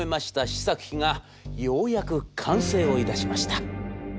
試作機がようやく完成をいたしました。